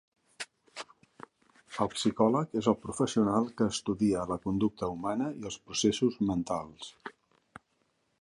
El psicòleg és el professional que estudia la conducta humana i els processos mentals